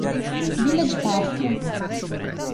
Village Park